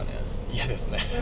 嫌ですね。